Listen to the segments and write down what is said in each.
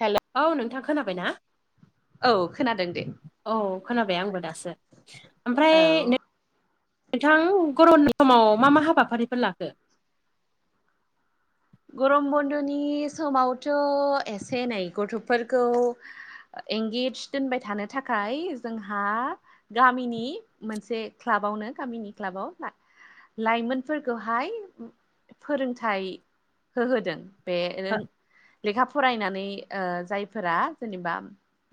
हेल'? औ नोंथां खोनाबाय ना? औ खोनादों दे। औ खोनाबाय आंबो दासो औ ओमफ्राय नों नोंथां गरमनि समाव मा मा हाबाफारिफोर लाखो? गरम बन्द'नि समावथ' एसे एनै गथ'फोरखौ एंगेज दोनबाय थानो थाखाय जोंहा गामिनि मोनसे क्लाबावनो गामिनि क्लाबाव लाइमोनफोरखौहाय फोरोंथाइ होहोदों बे लेखा फरायनानै ओ जायफोरा जेनेबा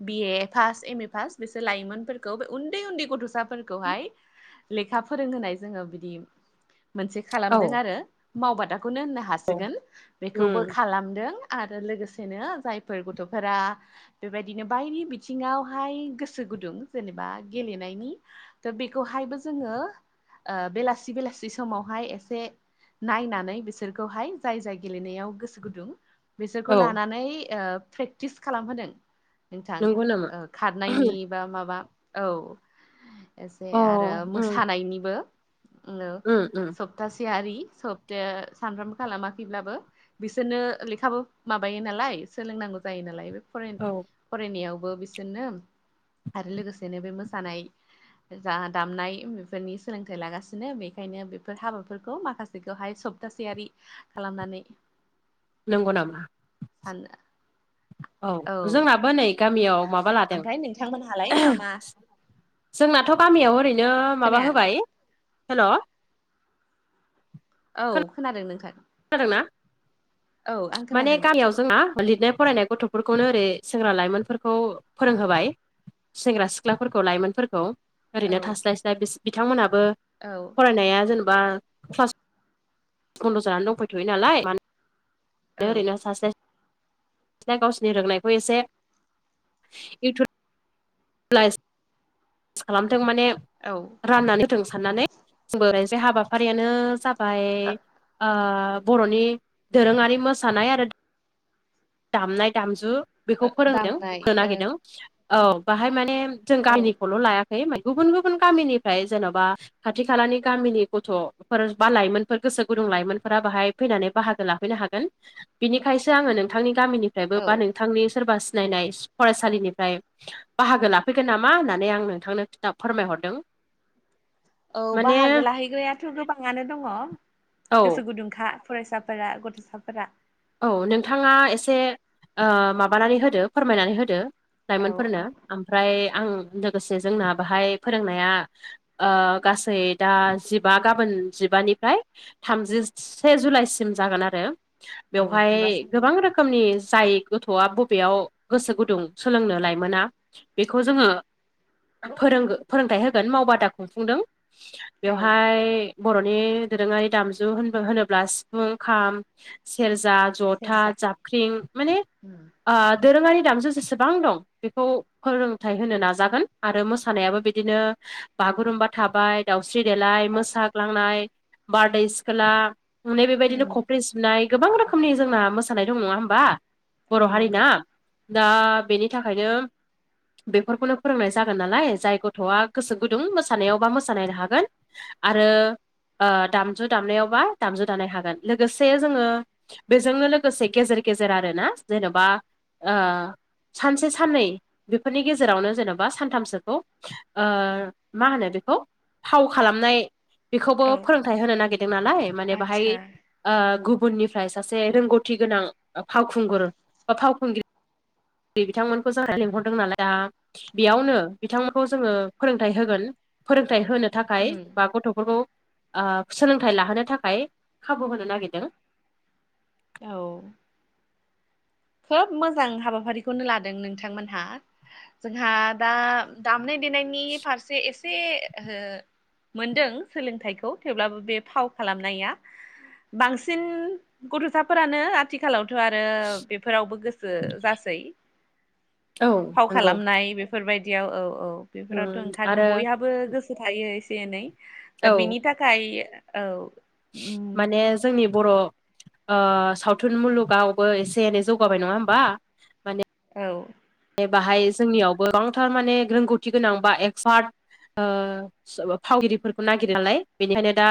BA pass M A pass बिसोर लाइमोनफोरखौ बे उन्दै उन्दै गथ'साफोरखौहाय लेखा फोरोंहोनाय जोङो बिदि मोनसे औ खालामदों आरो मावबादाखौनो होननो हासिगोन बेखौबो उम खालामदों आरो लोगोसेनो जायफोर गथ'फोरा बेबायदिनो बायदि बिथिङावहाय गोसो गुदुं जेनेबा गेलेनायनि थ' बेखौहायबो जोङो ओ बेलासि बेलासि समावहाय एसे नायनानै बिसोरखौहाय जाय जाय गेलेनायाव गोसो गुदुं बिसोरखौ औ लानानै ओ प्रेक्टिस खालामहोदों। नोंथां नंगौ नामा खारनायनि बा माबा औ एसे अ आरो उम मोसानायनिबो सब उम उम सप्तासेयारि सब्ताया सानफ्रामबो खालामाखैब्लाबो बिसोरनो लेखाबो माबायो नालाय सोलोंनांगौ जायो नालाय बे फराय औ फरायनायावबो बिसोरनो आरो लोगोसेनो बे मोसानाय जा दामनाय बेफोरनि सोलोंथाइ लागासिनो बेखायनो बेफोर हाबाफोरखौ माखासेखौहाय सब थाासयारि खालामनानै नंगौ नामा? थान औ जोंनाबो नै गामियाव माबा लादों ओमफ्राय नोंथांमोनहालाय आहो मा मा जोंनाथ' गामियाव ओरैनो माबा खोनाया होबाय हेल'? औ खोनादों नोंथां। खोनादों ना औ आं माने खोनादों दे गामियाव जोंना लिरनाय फरायनाय गथ'फोरखौनो ओरै सेंग्रा लाइमोनफोरखौ फोरोंहोबाय। सेंग्रा सिख्लाफोरखौ लाइमोनफोरखौ औ ओरैनो थास्लायस्लाय बिस बिथांमोनहाबो औ फरायनाया जेनब बा क्लास बन्द' जानानै दंफैथ'यो नालाय म ओरैनो औ सासे ा गावसिोरनि रोंनायखौ एसे इुब फ्ला खालामथों माने औ। राननानै होथों साननानै जोंबो [unintelligible] हाबाफारियानो जाबाय ओ बर'नि दोरोङारि मोसानाय आरो दामनाय दामजु बेखौ फोरोंदों दामनाय होनो औ नागिरदों। औ बाहाय माने जों औ गामिनिखौल' लायाखै गुबुन गुबुन गामिनिफ्राय जेन'बा खाथि खालानि गामिनि गथ'फोर बा लाइमोनफोर गोसो गुदुं लाइमोनफोरा बाहाय फैनानै बाहागो लाफैनो हागोन बिनिखायसो आङो नोंथांनि गामिनिफ्रायबो औ बा नों थांनि सोरबा सिनायनाय फरायसालिनिफ्राय बाहागो लाफैगोन नामा होननानै आं नोंथांनो खिथा फोरमायहरदों। औ माने बाहागो लाहैग्रायाथ' गोबाङानो दङ। औ गोसो गुदुंखा फरायसाफोरा गथ'साफोरा। औ नोंथाङा एसे ओ माबानानै होदो फोरमायनानै होदो। औ लाइमोनफोरनो ओमफ्राय आं लोगोसे जोंना बाहाय फोरोंनाया ओ गासै दा जिबा गाबोन जिबानिफ्राय थामजिसे जुलाइसिम जागोन आरो। औ बेवहाय जिबा साननि गोबां रोखोम नि जाय गथ'आ बबेयाव गोसो गुदुं सोलोंनो लायमोना बेखौ जोङो फोरों-फोरोंथाइ होगोन मावबादा खुंफुंदों। औ बेवहाय बर'नि दोरोङारि दामजु होन-होनोब्ला सिफुं, खाम सेरजा, जथा, सेरजा जाबख्रिं माने दोरोङारि दामजों जेसेबां दं बेखौ फोरोंथाइ होनो नाजागोन। आरो मोसानायाबो बिदिनो बागुरुमबा थाबाय दाउस्रि देलाय, गासैबो मोसाग्लांनाय, बारदै सिखोला नै बेबायदिनो कफ्रि सि बनाय गोबां रोखोमनि जोंना मोसानाय दं नङा होमबा औ बर' नंगौ हारिना। दा बेनि थाखायनो बेफोरखौनो फोरोंनाय जागोन नालाय जाय गथ'आ गोसो गुदुं मोसानायावबा मोसानाय हागोन। आरो ओ दामजु दामनायावबा दामजु दामानाय हागोन। लोगोसे जोङो बेजोंनो लोगोसे गेजेर गेजेर आरोना जेन'बा ओ सानसे साननै बेफोरनि गेजेरावनो जेन'बा सानथामसोखौ ओ मा होनो बेखौ फाव खालामनाय बेखौबो औ फोरोंथाइ होनो नागिरदों नालाय माने बाहाय आदसा ओ गुबुननि फ्राय सासे रोंगौथि गोनां फावखुंगुर बा फावखुंग्रि बे बिथांमोनखौ जोंहा लिंहरदों नालाय दा बेयावनो बिथांमोनखौ जोङो फोरोंथाइ होगोन। फोरोंथाइ होनो थाखाय बा गथ'फोरखौ ओ सोलोंथाइ लाहोनो थाखाय खाबु होनो नागिरदों। औ। खोब मोजां हाबाफारिखौनो लादों नोंथांमोनहा। जोंहा दा दामनाय देनायनि फारसे ए से मोनदों सोलोंथाइखौ थेवब्लाबो बे फाव खालामनाया बांसिन गथ'साफोरानो आथिखालावथ' आरो बेफोरावबो गोसो जासै। औ फाव नंगौ खालाम मनाय बेफोर बादियाव औ औ बेफोराव उम आरो ओंखारनोथ' बयहा बो गोसो थायो एसे एनै। दा औ बिनि थाखाय औ उम माने जोंनि बर' ओ सावथुन मुलुगावबो एसे एनै जौगाबाय नङा होमबा। माने औ। बाहाय जोंनियावबो गोबांथार माने रोंगौथि गोनां बा एक्पार्ट ओ फावगिरिफोरखौ नागिरो नालाय बेनिखायनो दा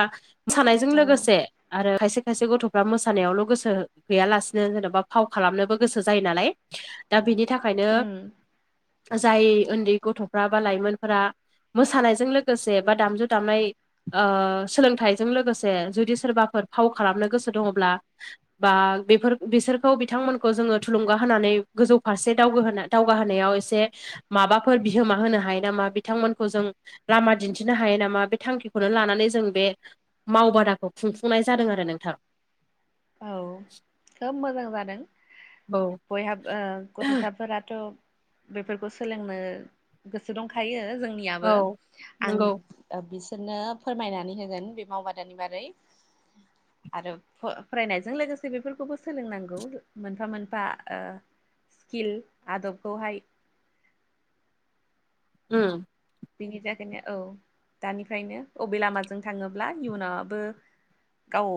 मोसानायजों लोगोसे आरो खायसे खायसे गथ'फ्रा मोसानायावल' गोसो गैयालासिनो जेन'बा फाव खालामनोबो गोसो जायो नालाय। दा बिनि थाखायनो उम जाय ओन्दै गथ'फ्रा बा लाइमोनफोरा मोसानायजों लोगोसे बा दामजु दामनाय ओ सोलोंथाइजों लोगोसे जुदि सोरबाफोर फाव खालामनो गोसो दङब्ला बा बेफोर बिसोरखौ बिथांमोनखौ जोङो थुलुंगा होनानै गोजौ फारसे दावगो होना दावगा होनायाव एसे माबाफोर बिहोमा होनो हायो नामा बिथांमोनखौ जों लामा दिन्थिनो हायो नामा बे थांखिखौनो लानानै जों बे मावबादाखौ खुंफुंनाय जादों आरो नोंथां। औ खोब मोजां जादों। औ बयहा ओ गथ'साफोराथ' बेफोरखौ सोलोंनो गोसो दंखायो जोंनियाबो औ आं नंगौ ओ बिसोरनो फोरमायनानै होगोन बे मावबादानि बागै आरो फो फरायनायजों लोगोसे बेफोरखौबो सोलोंनांगौ मोनफा मोनफा ओ किल आदबखौहाय उम बिनि थाखायनो औ दानिफ्रायनो अबे लामाजों थाङोब्ला इयुना बो गाव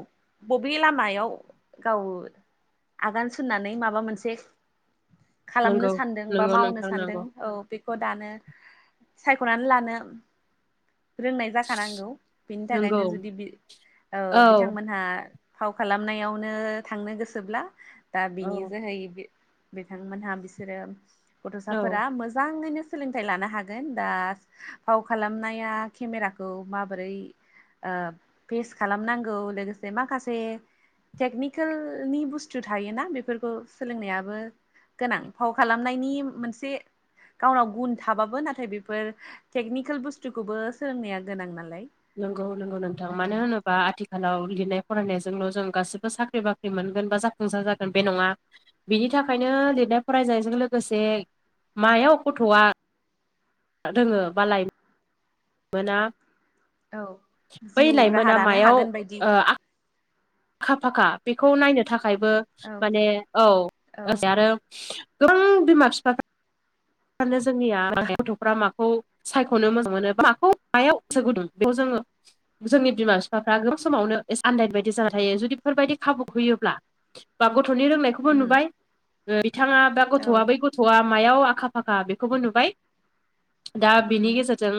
बबे लामायाव गाव आगान सुरनानै माबा मोनसे खालामनो नंगौ सान्दों बा नंगौ मावनो नोंथां सानदों नंगौ औ बेखौ दानो सायख'नानै लानो रोंनाय जाखानांगौ बिनि नंगौ थाखायनो जुदि बि औ बिथांमोनहा फाव खालामनायावनो थांनो गोसोब्ला दा औ बिनि जोहै बे बिथांमोनहा बिसोरो गथ'साफोरा औ मोजाङैनो सोलोंथाइ लानो हाग [unintelligible] दा फाव खालामनाया खेमेराखौ माबोरै? ओ फिस खालामनांगौ लोगोसे माखासे टेकनिकेलनि बुस्थु थायोना बेफोरखौ सोलोंनायाबो गोनां फाव खालामनायनि मोनसे गावनाव गुन थाबाबो नाथ थाय बेफोर टेकनिकोल बुस्थुखौबो सोलोंनाया गोनां नालाय। नोंगौ नोंगौ नोंथां मानो होनोब बा आथिखालाव लिरनाय फरायनायजोंल' जों गासिबो साख्रि बाख्रि मोनगोन बा जाफुंसार जागोन बे नङा। बिनि थाखायनो लिरनाय फरायनायजों लोगोसे मायाव गथ'आ रोङो बा लायन मोना औ बै जिउ राहा लाइमोना दानो मायाव हागोन बायदि ओ आग खा फाखा बेखौ नायनो थाखायबो औ माने औ औ [unintelligible] आरो गोबां बिमा फिफाफा [unintelligible] जोंनिया [unintelligible] गथ'फ्रा माखौ सायख'नो मोजां मोनो बा माखौ मायाव गोसो गुदुं बेखौ जोङो जोंनि बिमा बिफाफ्रा गोबां समावनो एस आन्दाय बायदि जाना थायो जुदि बेफोरबायदि खाबु होयोब्ला बा गथ'नि रोंनायख खौबो उम नुबाय ओ बिथाङा दा औ गथ'आ बै गथ'आ मायाव आखा फाखा बेखौबो नुबाय। दा उम बिनि गेजेरजों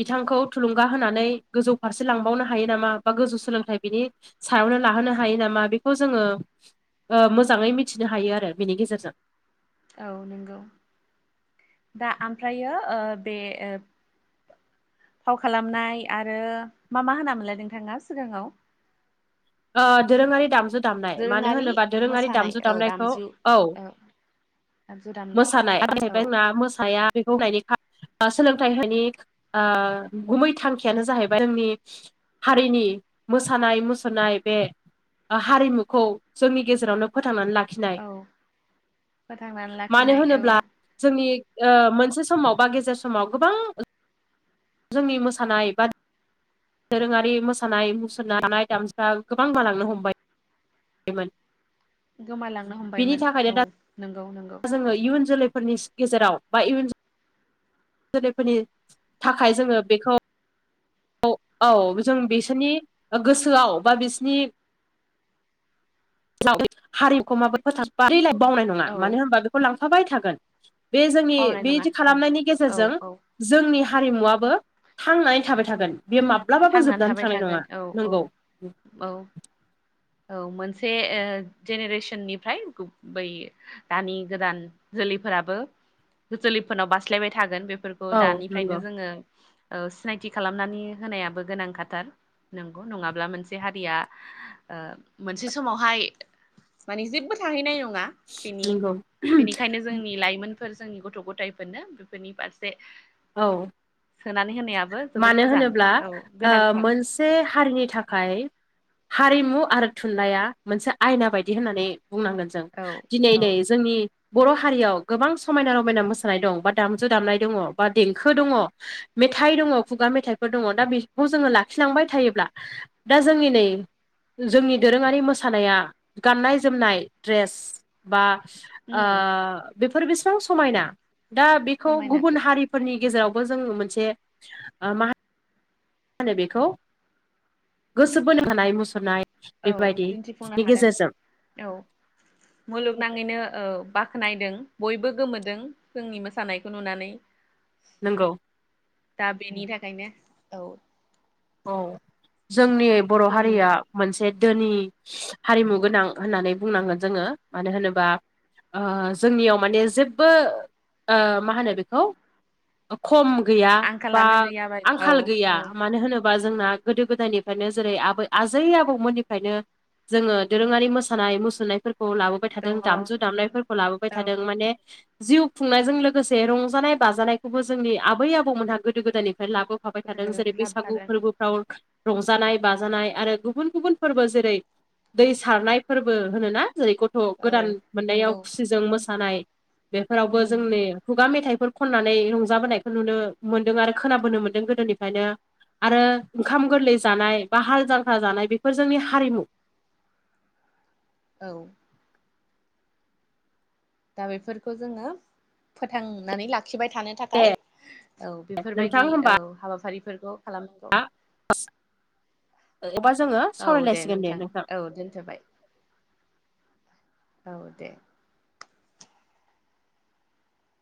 बिथांखौ थुलुंगा होनानै गोजौ फारसे लांबावनो हायो नामा बा गोजौ सोलोंथाइ बिनि सायावनो लाहोनो हायो नामा बेखौ जोङो ओ मोजाङै मिथिनो हायो आरो बेनि गेजेरजों औ नोंगौ। दा आमफ्रायो ओ बे ओब फाव खालामनाय आरो मा मा होनामोनलाय नोंथाङा सिगाङाव? ओ दोरोङारि दामजु दामनाय मानो दोरोङारि होनोबा दोरोङारि मोसानाय दामजु औ दामनायखौ दामजु औ दामजु दामनाय मोसानाय औ [unintelligible] मोसाया बेखौ [unintelligible] फा ओ सोलोंथाइ होनायनि ओ गुमै थांखियानो जाहैबाय जोंनि हारिनि मोसानाय मुसुरनाय बे ओ हारिमुखौ जोंनि गेजेरावनो फोथांनानै लाख खिनाय औ फोथांनानै मानो लाखिनाय औ होनोब्ला जोंनि ओ मोनसे समाव बा गेजेर समाव गोबां जोंनि मोसानाय बा दोरोङारि मोसानाय मुसुरनो हानाय [unintelligible] गोबां बालांनो हमबाय मोन गोमालांनो बेनि हमबायमोन थाखायनो औ दा नंगौ नंगौ जोङो इयुन जोलैफोरनिस गेजेराव बा इउन जोलैफोरनि थाखाय जोङो बेखौ औ औ जों बिसोरनि ओ गोसोआव बा बिसनि हारिमुखौ माबोरै फोसाब [unintelligible] बावनाय नङा औ मानो होनबा बेखौ लांफाबाय थागोन। बे जोंनि बावनाय नङा बेदि औ खालामनायनि औ गेजेरजों औ जोंनि हारिमुवाबो थांनानै थाबाय थागोन बे मा ब्लाबाबो थांनानै जोबनानै थाबाय थांनाय नङा थागोन औ औ नंगौ। औ। [inaudible] औ मोनसे ओ जेनेरेसननिफ्राय गुबै दानि गोदान जोलैफोराबो जोलैफोरनाव बास्लायबाय थागोन बेफोर खौ औ नंगौ दानिफ्रायनो जोङो ओ सिनायथि खालामनानै होनायाबो गोनांखाथार। नोंगौ नङाब्ला मोनसे हारिया ओ मोनसे समावहाय माने जेब्बो थाहैनाय नङा बेनि नंगौ बेनिखायनो जोंनि लाइमोन फोर जोंनि गथ' गथायाइफोरनो बेफोरनि फारसे औ सोनानै होनायाबो जोबोद मानो मोजां। होनोब्ला औ ओ गोनांथार मोनसे हारिनि थाखाय हारिमु आरो थुनलाइया मोनसे आयना बायदि होननानै बुंनांगोन जों। औ दिनै औ नै जोंनि बर' हारियाव गोबां समायना रमायना मोसानाय दं बा दामजु दामनाय दङ बा देंखो दङ मेथाइ दङ खुगा मेथाइफोर दङ दा बेखौ जोङो लाखिलांबाय थायोब्ला दा जोंनि नै जोंनि दोरोङारि मोसानाया गाननाय जोमनाय ड्रेस बा ओ उम बेफोर बेसेबां समायना दा बेखौ समायनाथ' गुबुन हारि फोरनि गेजेरावबो जों मोनसे ओ मा होनो बेखौ गोसो बोनो हानाय मुसुरनाय औ बेबायदि दिन्थिफुंनो नि हादों गेजेरजों औ। मुलुगनाङैनो बाख्नायदों बयबो गोमोदों जोंनि मोसानायखौ नुनानै। नोंगौ। दा बेनि थाखायनो औ औ जोंनि बर' जोंनि हारिया मोनसे धोनि हारिमु गोनां होननानै बुंनांगोन जोङो मानो होनोबा जोंनियाव माने जेब्बो ओ मा होनो बेखौ खम गैया बा आंखालानो गैयाबाय औ आंखाल औ गैया मानो होनो बा जोंना गोदो गोदायनिफ्रायनो जेरै आबै आजै आबौमोननिफ्रायनो जोङो दोरोङारि मोसानाय मुसुरनायफोरखौ लाबो बाय थादों दङ दामजु उम दामनायफोरखौ लाबोबाय औ थादों माने जिउ खुंनायजों लोगोसे रंजानाय बाजानायखौबो जोंनि आबै आबौमोनहा गोदो गोदायनिफ्राय लाबो फाबाय गोदोर थादों गोदोरनिफ्राय जेरै बैसागु लाबोखादों फोरबोफ्राव रंजानाय बाजानाय आरो गुबुन गुबुन फोरबो जेरै दै सारनाय फोरबो होनोना जेरै ग थ' औ गोदान मोननायाव नंगौ खुसिजों मोसानाय बेफोरावबो उम जोंनि खुगा मेथाइफोर खननानै रंजाबोनायखौ नुनो मोन्दों आरो खोनाबोनो मोन्दों गोदोनिफ्रायनो आरो ओंखाम गोरलै जानाय बा हाल जांख्रा जानाय बेफोर जोंनि हारिमु। औ। दा बेफोरखौ जोङो फोथांनानै लाखिबाय थानो थाखाय औ नोंथां बेफोरबायदि होमबा औ हाबाफारिफोरखौ खालामनांगौ। अबा जोङो सावरायलायसिगोन दे नोंथां। औ दोनथ'बाय। औ दे।